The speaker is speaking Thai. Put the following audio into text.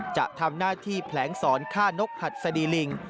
จะทำหน้าที่แผลงสอนฆ่านกหัดสดีลิง